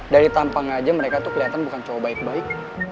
dari tampang aja mereka tuh kelihatan bukan cowok baik